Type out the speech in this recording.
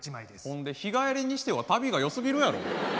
ほんで日帰りにしては旅がよすぎるやろ。